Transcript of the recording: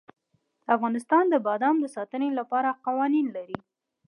افغانستان د بادام د ساتنې لپاره قوانین لري.